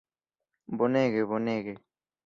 Bonege... bonege...